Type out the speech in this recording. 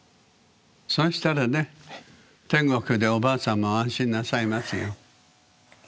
そしたらね天国でおばあさんも安心なさいますよ。